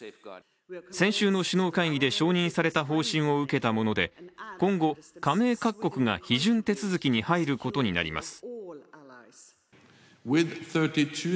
先週の首脳会議で承認された方針を受けたもので今後、加盟各国が批准手続きに入ることになります。